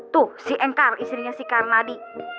tuh si engkar istrinya si karnadi